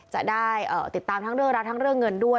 จะได้ติดตามทั้งเรื่องรักทั้งเรื่องเงินด้วย